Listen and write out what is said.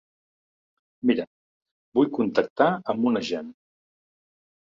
Mira, vull contactar amb un agent.